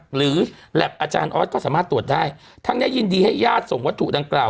หรือแล็บอาจารย์ออสก็สามารถตรวจได้ทั้งนี้ยินดีให้ญาติส่งวัตถุดังกล่าว